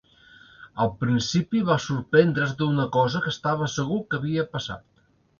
Al principi va sorprendre's d'una cosa que estava segur que havia passat.